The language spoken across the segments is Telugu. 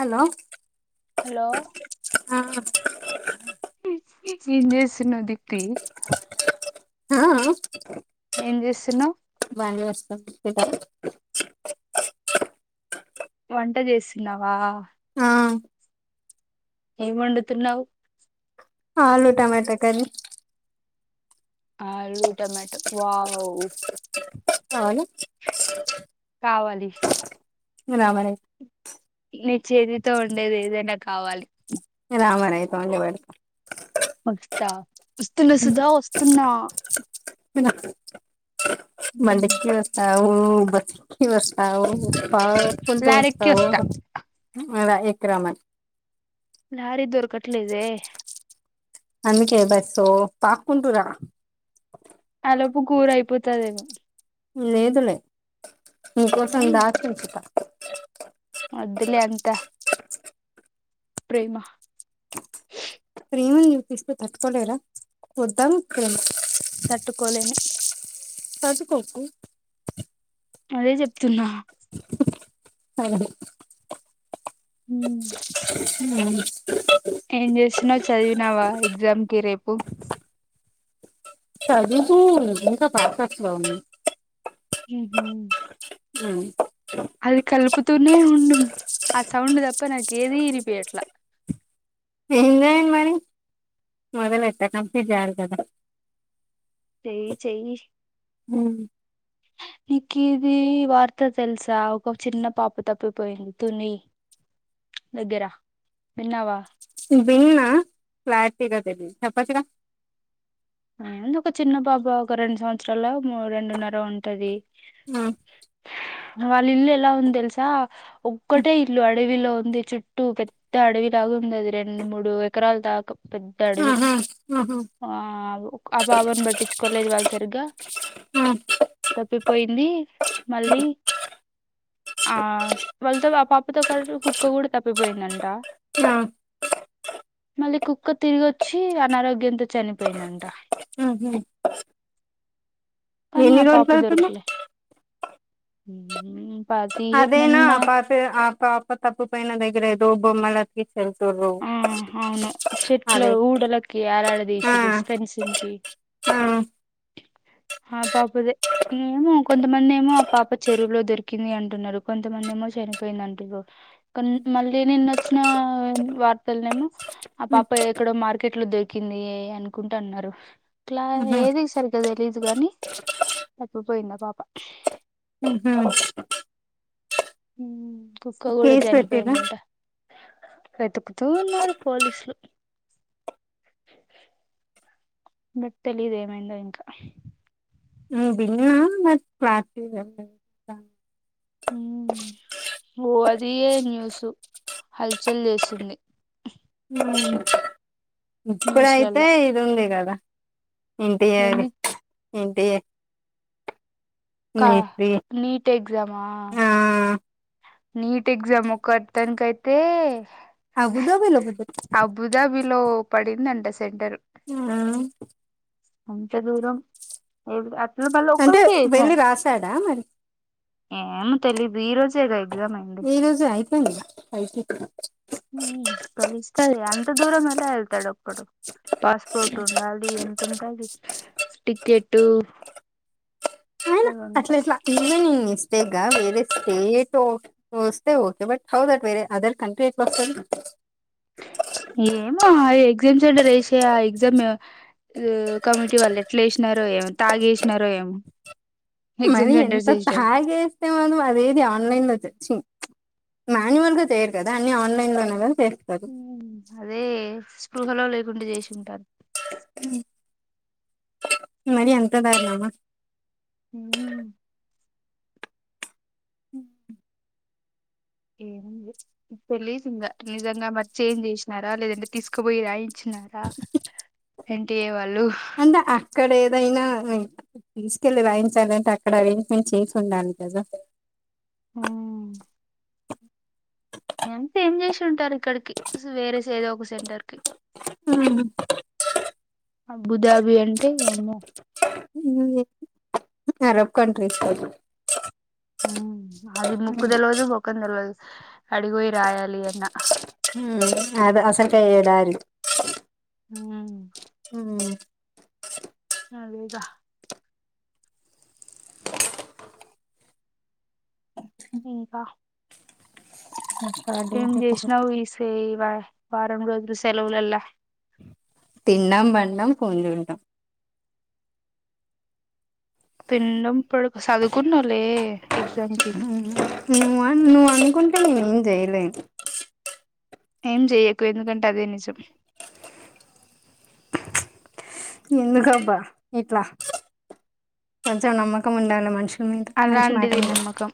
హలో హలో ఆ. ఏం చేస్తున్నావ్ దీప్తి. ఆ ఆ. ఏం చేస్తున్నావు. బగా వస్త. వంట చేస్తున్నావా. ఆ ఏం వండుతున్నావ్. ఆలు టమాటా కర్రీ. ఆలు టమాటో వావ్. అవును కావాలి ఇంగా రాబడే నీ చేేతితో వొండేది ఏదైనా కావాలి రా మరి అయితే వండిపెడతా వస్తా వస్తున్న సుధా వస్తున్నా విన బండెక్కి వస్తావో బస్ క్కి వస్తావొ పాకుంటూ లారీక్కి వస్తావో వస్తా ఉ రా ఎక్కి రా మరి నారే దొరకట్లేదే అందుకే బట్ సో పాక్కుంటూ రా లోపు కూర అయిపోతదేమో లేదులే మీకోసం దాచచ్చుంత వద్దులే అంత ప్రేమ ప్రేమని చూపిస్తూ తట్టుకోలేరా వద్దామ్ ప్రేమ తట్టుకోలేము తట్టుకోకు అదే చెప్తున్నా అహో అ ఏం చేస్తున్నావ్ చదివినావా ఎగ్జామ్కి రేపు చదువుతు ఇంకా ప్రాసెస్ లో ఉంది ఉహు ఉ అది కల్పుతూనే ఉండు ఆ సౌండ్ తప్ప నాకు ఏది వినిపియట్లా ఏం చేయను మరి మొదలెట్టినమ్ కంప్లీట్ చేయాలా కదా. చేయి చేయి ఉ నీక్ కి ఇది వార్త తెలుసా ఒక చిన్న పాప తప్పిపోయింది తుని దగ్గరా విన్నావా విన్న క్లారిటీగా తెలియదు చెప్పచ్చుగా ఆ ఎందుకు చిన్న బాబా ఒక రెండు సంవత్సరాల మూ రెండున్నర ఉంటది. నా వాల్ ఇల్లు ఎలా ఉంద్ దెలుసా ఒక్కటే ఇల్లు అ రేవిలో ఉంది, చుట్టూ పెద్ద అడవిలాగా ఉంది. అది రెండు మూడు ఎకరాల దాకా పెద్ద ఆహా, అడవి ఆహా, ఆ, ఒక్ ఆ పాబాన్ పట్టించుకోలేదద్ వాళ్ళు సరిగ్గా. తప్పిపోయింది మళ్ళీ ఆ వాలతో సో ఆ పాపతో కరు కుక్క కూడా తప్పిపోయిందంట నా మళ్ళీ కుక్క తిరిగొచ్చి అనారోగ్యంతో చనిపోయిందంట. హహు తనే ఆ పాప అవుతుంది దొరుకలే అదేనా ఆ పాపే ఆ పాప తప్పు పోయినా దగ్గరే డే బొమ్మలకి ఆ ఓహోహ్ అవును చెట్లు ఊడలకి యాలాడా ఆ, దిశిరు స్పెన్సన్కి ఆ, ఆ పాపదే ఏమో కొంతమంది ఏమో ఆ పాప చెరువులో దొరికి ఇంది అంటున్నారు. కొంతమంది ఏమో చనిపోయింది అంటురు. కన్ మళ్ళీ నిన్న వచ్చినాన్ పాతలనేమో ఆ ఉమ్, పాప ఎక్కడో మార్కెట్ లో దొరికింది అనుకుంటా అన్నారు. ఇట్లా ఉమ్, ఏది సరిగ్గా తెలీదు గానీ తప్పిపోయిందా ఆ పాప. ఉహూహ్ హుహ్ కుక్క కూడా పెట్టిరా జనిపోయిందంట వెతుకుతూ ఉన్నారు పోలీసలు బట్ తెలిదు ఏమైందో ఇంకా హు బిగుల మట్ పల్లటివ్ [inaudible] నేమో ఓ అదయే న్యూసు హల్ చేల్ జేసుంది. ఉమ్, ఇప్పుడైతే ఇది ఉంది గదా ఇంటియాగ్ ఏంది ఇంటియే కా నీట్ ఎగ్జామా నీట్ ఎగ్జామ్ ఒకర్ తనికైతే అబుదాబిలో పెద్ద అబుదాబిలో పడిందంటస్ నా అంతా దూరం ఏద్ అట్ లూబల్ అంటే ఒక్కళకే ఈ వెళ్ళి సారి రాసాడా మరి ఏమో తెలీదు ఈ రోజ్ ఏ రోజే అయిపేయిందా ఉహ్ కలుస్తది. అంత దూరం ఎలా ఏళ్తాడు ఒక్కడు. పాస్పోర్ట్ ఉండాలి, ఎంతుంటది. టికెట్టు అయిన అట్లా ఎట్లా ఇమానిస్ బేగా వేరే స్టేటో వస్తే ఓకే బట్ హౌ దట్ వేరే అదర్ కంట్రీ ఎట్లో వసది. ఏమో ఆ ఎగ్జామ్ సెంటర్ ఏశే ఆ ఎగ్జామో యో కమ్టీ వాళ్ళు ఎట్ల్ ఏష్ణరో ఏమో తాగ్ ఏష్ణరేమో మరి ఇంత తాగేస్తే మనం అదేది ఆన్లైన్ లో తెచ్చి మాన్యువల్గా చేయరు కదా అన్ని ఆన్లైన్ లోనే గాద్ హు అదే స్పృహలో లేకుండా జేష్ ఉంటారు. ఉ మరి అంతా దరునామా ఉహూహ్ ఉహుహ్ ఏంలే తెలిద్ ఇంగా నిజంగా మర్ జేశనరా. లేదంటే తీసుకుబోయి రాయించిన్ నాకా ఎన్ టీ యేవర్. అందా అక్కడెద్ ఏదైనా తీసుకెళ్ళి రాయించాలంటే అక్కడ అరేంజ్మెంట్ చేసి ఉండాలి కదా ఉ ఎంత ఏం చేసి ఉంటారు ఇక్కడి కి వేరేస ఏదో ఒక సెంటర్ కి ఉ అబుదాబి అంటే అమో అరబ్ కంట్రీస్ ఉ అది ముక్కు తెలవదు ముఖం తెలవదు అడికి పోఇ రాయాలి అన్న అది అసకె ఏదారు ఉ ఉ ఉ దా ఇంకా నీళ్లు సౌండ్ ఏం చేసినావ్ ఈసే ఇవా వారం రోజు సెలవులల తిన్నాం పండడం ఫోన్ చూడడం తిన్నాం పడుకోవడం చదువుకున్నాలే ఎగ్జామ్ కి ఉ ఏం చేయలే ఏం చెయ్యకు ఎందుకంటే అదే నిజం ఎందుకుబ్బా ఇట్లా కొంచెం నమ్మ ఉండాలి మనుషుల మీద మంచి మాట అలాంటిది మీద నమ్మకం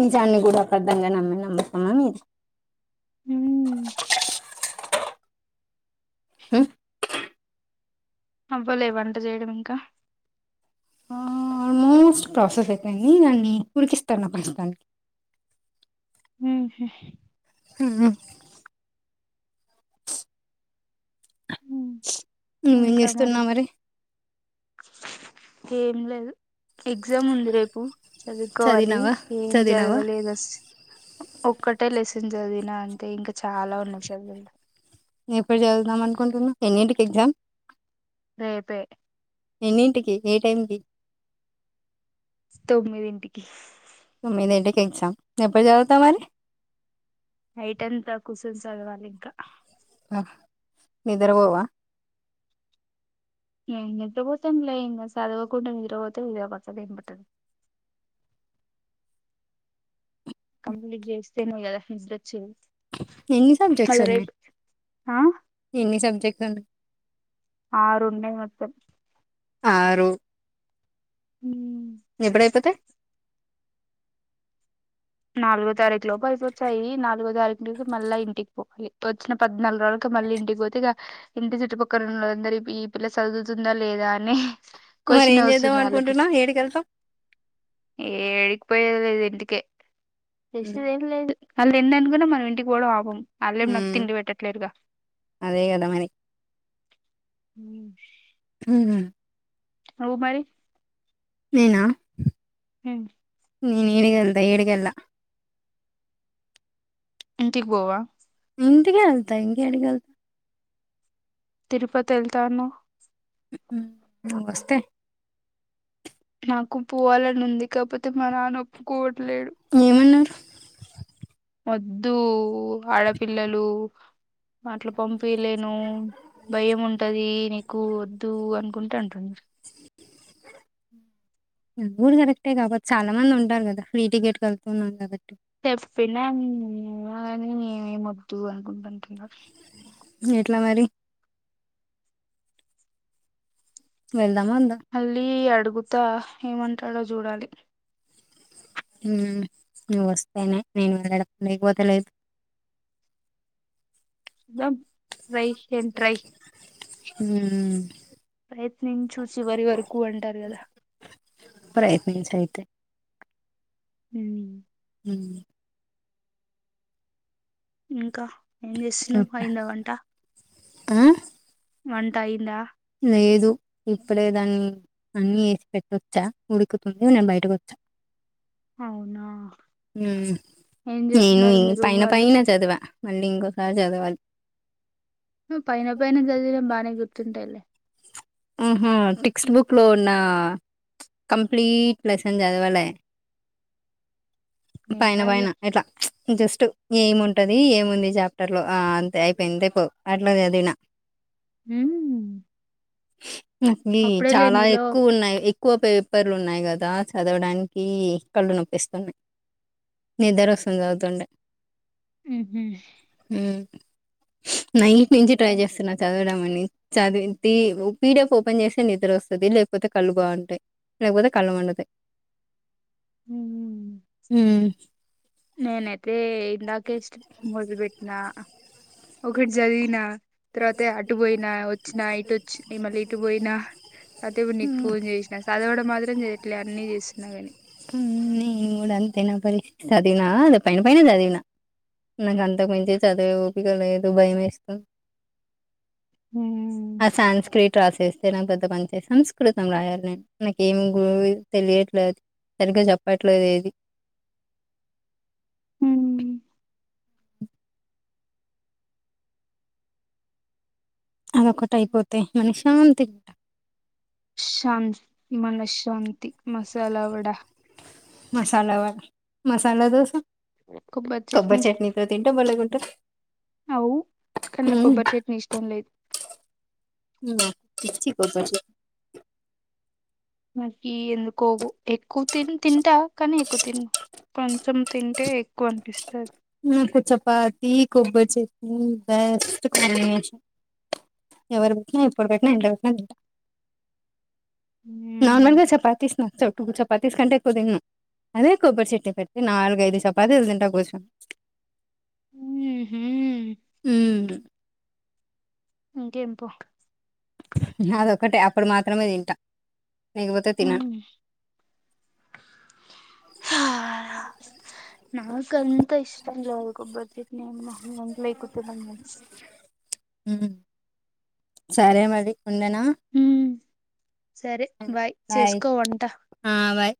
నిజాన్ని కూడా అబద్ధం నమ్మి నమ్ముతామా మీరు ఉ ఉ అవ్వలే వంట చేయడం ఇంకా మోస్ట్ ప్రాసెస్ అయితడి దనీ ఉడికిస్తున్న ప్రస్తుతానికి ఉ హు ఉ ఉమ్, నువ్వేం చేస్తున్నా మరి ఏం లేదు ఎగ్జామ్ ఉంది రేపు చదువుకోవాలి చదివినావా ఏం చదివినావా చదవలేదు ఒక్కటే లే చదివినా అంటే ఇంకా చాలా ఉన్నా చదువు ఎప్పుడు చదుద్దాం అనుకుంటున్నా ఎన్నింటికి ఎగ్జామ్ రేపు ఎన్నింటికి ఏ టైంకి తొమ్మిదింటికి తొమ్మిదింటికి ఎగ్జామ్ ఎప్పుడు చదువుతా మరి నైట్ అంతా కూర్చొని చదవాలి ఇగ రాత్రి నిద్ర పోవా నిద్రపోతాము చదవకుండా నిద్రపోదా మని రాత్రంతా ఉ హు కంప్లీట్ వస్తేనే కదా నిద్ర వచ్చేది మల్ల రేపు ఆ ఇన్ని సబ్జెక్ట్ ఆరు ఉండే మొత్తం ఆరు ఉ ఎప్పుడయిపోతే నాలుగో తారీఖు లోపు అయిపోతాయి నాలుగో తారీఖుకి మళ్ళా ఇంటికి పోవాలి వచ్చిన పద్నాలుగు రోజు మళ్ళీ ఇంటికి పోతే ఇ ఇంటి చుట్టుపక్కల ఉ అందరి ఈ పిల్ల చదువుతుందా లేదా అని మరి క్యూస్షన్ ఏ ఏం చేద్దాం వస్తది వాళ్లకి అనుకుంటున్నా ఏడికి వెళ్తాం ఉ లేదు ఇంటికే రస్ ఏం లేదు వాళ్లు ఏమనుకున్నా మనం ఇంటికి పోవడం వాళ్లు వెన్న అనుకున్న ఇంటికి పోవడం ఆపం అళ్ళేం నాకు ఉమ్, తిండి పెట్టట్లేరుగా అదే కదా మరి హ్ హ్ నువ్వు మరి నేనా ఏంటి నేను ఎదికెళ్త నేను ఏడికెళ్ళా ఇంటికి పోవా ఇంటికి వెళ్తా ఇంకా ఏడికి ఏళ్తా తిరుపతి వెళ్తా అన్నావ్ నువ్వు వస్తే నాకు పోవాలని ఉంది. కాకపోతే మా నాన్న వోప్పుకోవట్లేడు. ఏమన్నారు వద్దు ఆడపిల్లలు అట్ల పంపియాలేను భయం ఉంటది. నీకు వద్దు అనుకుంట అంటుడు ఆది కూడా కరెక్టే కాబట్టి చాలా మంది ఉంటారు. కదా ఫ్రీ టికెట్ వెళుతున్నారు. కాబట్టి చెప్పినా గాని ఏ వద్దు అనుకుంటటున్నారు. ఎట్లా మరి వెల్ మళ్ళీ అడుగుతా ఏమంటాడో చూడాలి. నువ్వు వస్తేనే నేను వెళ్ళడం లేకపోతే లేదు. చూద్దాం ట్రై కేన్ ట్రై ఉమ్, ప్రయత్నించి చూడు చివరి వరకు అంటారు. కదా ప్రయత్నించు అయితే హ్ హ్ ఇంకా ఏం జేస్తున్నావ్ అయింద వంట హ్ వంటం అయిందా లేదు ఇప్పుడే దాన్ని అన్ని ఏసి పెట్టొచ్చా ఉడుకుతుంది. నేను బయటకు వోచ్చా అవునా ఉమ్ ఏం నేను చేస్తున్నారు ఈ మీ రూమ్ పైన వాళ్ళు? పైన చదివా మళ్ళీ ఇంకోసారి చదవాలి. నువ్వు పైన పైన చదివిన బాగానే గుర్తుంటాయిలే ఉహ్ టెక్స్ట్ బుక్ లో ఉన్న కంప్లీట్ లెస్సన్ చదవాలె ఏం పైన పైన కాదులే. ఇట్లా జస్ట్ ఏం ఉంటది. ఏముంది చాప్టర్ లో ఆ అంతే అయిపోయింది. పో అట్లా చదివిన హ్ నాకు గి చాలా ఎక్కువ ఉన్నాయి. ఏ క్కువ పేపర్లు ఉన్నాయి. కదా చదవడానికి కళ్ళు నొప్పిస్తున్నాయి. నిద్ర వస్తుంది. చదువుతుండే ఉహ్ నైట్ నుంచి ట్రై చేస్తున్నా చదవడం. అని చదివింది. పీ డి ఎఫ్ ఓపెన్ చేస్తే నిద్ర వస్తది. లేకపోతే కళ్ళు బాగుంటాయి. లేకపోతే కళ్ళు మండుతాయి. హ్ హ్మ్. నేనైతే లా కే ఎస్ట్ మొదలు బెట్నా ఒకటి జాధీవినా తర్వాత అటు పోయినా వోచ్చిన ఇటు వొచ్చినా ఇగ మల్లి ఇటు పోయినా అయితే ఇప్పుడు నీకు హ్మ్. ఫోన్ చేసినా చదవడం మాత్రం చేయట్లే అన్నీ చేస్తున్నా గాని హ్ నేను కూడా అంతే నా పరిస్తితి చదవనా అది పైన పైన చదివినా నాకు అంతకు మించి చదివే ఓపికలేదు. ద్ భయం వేస్తవ్ హ్మ్. ఆ సన్స్క్రిట్ రాసేస్ తేనంగ్ పెద్ద పని చేసాం సంస్కృతం రాయాల్ నేను నాక్ ఏం గుర్ తెలియట్లేదు సరిగ్గా చెప్పట్లే ఎది హ్మ్. అ ఒకట్ అయిపోతే మనశ్శాంతి శాంత్ మనశ్శాంతి మసాలా వడ మసాలా వడ మసాలా దోస కొబ్బరి చట్నీ కబ్బర్ చట్నీతో తింటే బలేగుంటది అవు కన్ నాక్ కొబ్బర్ చట్ని ఇష్టం లేదు ఉమ్మ పిచ్చి కొబ్బర్ చట్ మకి ఎందుకో ఎక్కువ తిన్ తింటా కానీ ఎక్కువ తిం కొంచం తింటే ఎక్కువ అన్పిస్తది నాకు చపాతి కొబ్బరి చట్నీ బెస్ట్ కాంబినేషన్ ఎవరు పెట్టినా ఎప్పుడు పెట్టినా ఇట్లో పెట్టినా తింట మ్మ్. నార్మల్గా చపాతీస్ నచ్చావ్ టుగు చపాతీస్ కంటే పుదిన్ను అదే కొబ్బరి చట్ని పెట్టి నాలుగు ఐదు చపాతిస్ తింట కూచోన్ మ్మ్హూ. ఉమ్ ఇంకేం పో అదోక్కటే అప్పుడు మాత్రమే తింట మ్మ్ హా నాకంత ఇష్టం లేదు కొబ్బర్ చట్నీ అన్నా [unintelligible] ఉమ్ సరే మరి ఉండనా మ్మ్. సరే బాయ్ చేసుకో వంట ఆ బాయ్